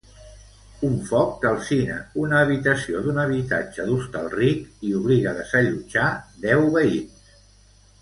Un foc calcina una habitació d'un habitatge d'Hostalric i obliga a desallotjar deu veïns.